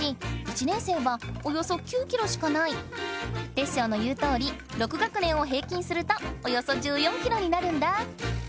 テッショウの言うとおり６学年を平均するとおよそ１４ｋｇになるんだ。